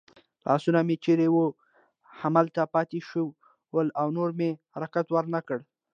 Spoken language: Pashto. لاسونه مې چېرې وو همالته پاتې شول او نور مې حرکت ور نه کړ.